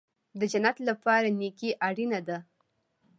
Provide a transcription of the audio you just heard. د جنت لپاره نیکي اړین ده